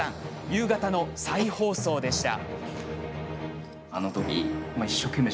夕方の再放送でした。